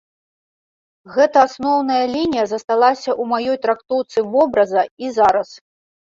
Гэта асноўная лінія засталася ў маёй трактоўцы вобраза і зараз.